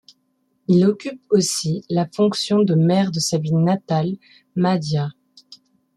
Il occupe aussi la fonction de maire de sa ville natale, Mahdia.